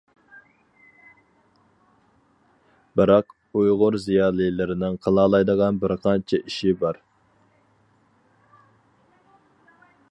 بىراق، ئۇيغۇر زىيالىيلىرىنىڭ قىلالايدىغان بىر قانچە ئىشى بار.